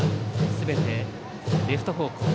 すべてレフト方向。